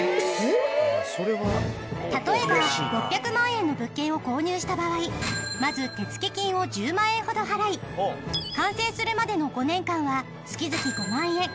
例えば６００万円の物件を購入した場合まず手付金を１０万円ほど払い完成するまでの５年間は月々５万円